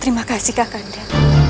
terima kasih kakanda